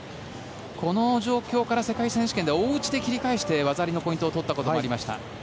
この状況から世界選手権では大内刈りで切り返して技ありのポイントを取ったこともありました。